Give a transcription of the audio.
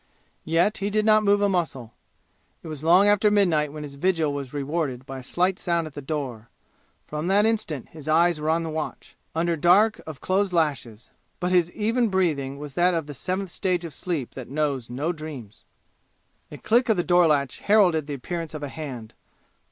Yet he did not move a muscle. It was long after midnight when his vigil was rewarded by a slight sound at the door. From that instant his eyes were on the watch, under dark of closed lashes; but his even breathing was that of the seventh stage of sleep that knows no dreams. A click of the door latch heralded the appearance of a hand.